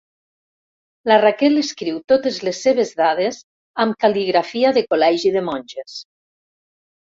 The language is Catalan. La Raquel escriu totes les seves dades amb cal·ligrafia de col·legi de monges.